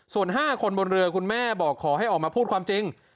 ส่วน๕คนบนเรือคุณแม่บอกขอให้ออกมาพูดความจริง